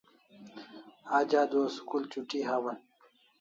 Aj adua school chuti hawan